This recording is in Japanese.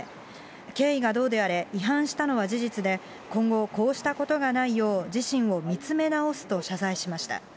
経緯がどうであれ、違反したのは事実で、今後、こうしたことがないよう、自身を見つめ直すと謝罪しました。